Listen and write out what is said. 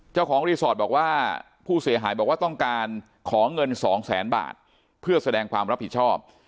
เจ้าของรีสอร์ทบอกว่าผู้เสียหายบอกว่าต้องการขอเงินสองแสนบาทเพื่อแสดงความรับผิดชอบ